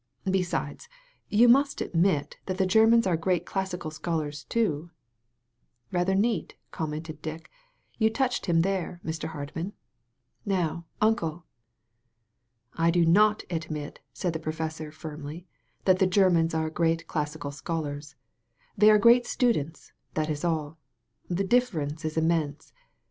Be sides, you must admit that the Germans are great classical sdiolars too." "Rather neat,'* commented Dick; "you toudied him there, Mr. Hardman. Now, Uncle!" "I do n^ admit," said the professor firmly, "that the Grermans are great classical scholars. They are great students, that is all. The difference is immense.